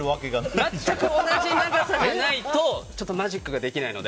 全く同じ長さじゃないとマジックができないので。